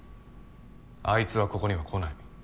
あいつはここには来ない。